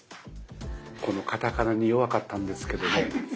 カタカナに弱かったんですけどね